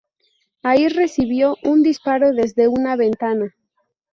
Ahí recibió un disparo desde una ventana.